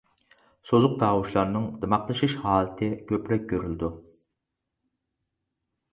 سوزۇق تاۋۇشلارنىڭ دىماقلىشىش ھالىتى كۆپرەك كۆرۈلىدۇ.